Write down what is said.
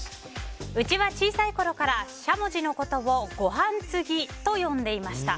うちは小さいころからしゃもじのことをご飯つぎと呼んでいました。